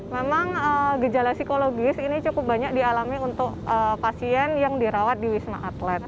memang gejala psikologis ini cukup banyak dialami untuk pasien yang dirawat di wisma atlet